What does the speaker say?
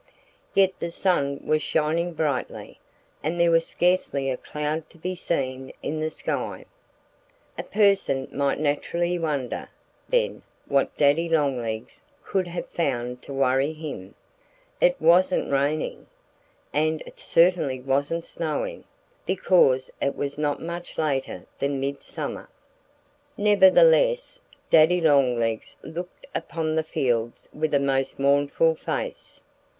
Yet the sun was shining brightly. And there was scarcely a cloud to be seen in the sky. A person might naturally wonder, then, what Daddy Longlegs could have found to worry him. It wasn't raining. And it certainly wasn't snowing, because it was not much later than midsummer. Nevertheless Daddy Longlegs looked upon the fields with a most mournful face.